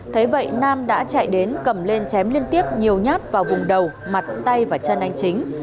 thế vậy nam đã chạy đến cầm lên chém liên tiếp nhiều nhát vào vùng đầu mặt tay và chân anh chính